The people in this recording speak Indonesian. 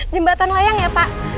jembatan layang ya pak